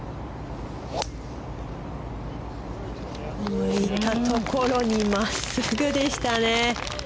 向いたところに真っすぐでしたね。